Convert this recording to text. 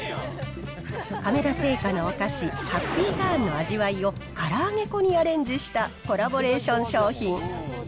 亀田製菓のお菓子、ハッピーターンの味わいを、から揚げ粉にアレンジしたコラボレーション商品。